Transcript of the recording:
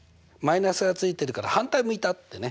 −がついてるから反対向いたってね。